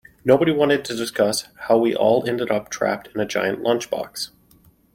Nobody wanted to discuss how we all ended up trapped in a giant lunchbox.